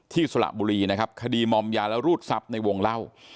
สละบุรีนะครับคดีมอมยาและรูดทรัพย์ในวงเล่า